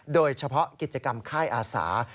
โดยเฉพาะกิจกรรมค่ายอาสา